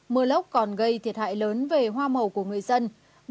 mưa lốc còn gây thiệt hại lớn về hoa màu của người dân